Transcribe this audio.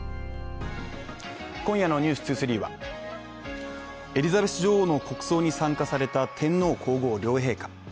今夜の「ｎｅｗｓ２３」はエリザベス女王の国葬に参加された天皇皇后両陛下